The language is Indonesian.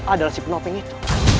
adalah si penopeng itu